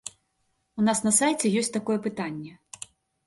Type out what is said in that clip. У нас на сайце ёсць такое пытанне.